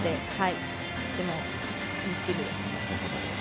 とてもいいチームです。